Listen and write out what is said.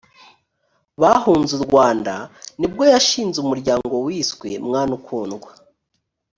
bahunze u rwanda ni bwo yashinze umuryango wiswe mwana ukundwa